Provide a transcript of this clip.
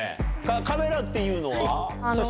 カメラっていうのは？